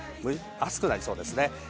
暑くなりそうです。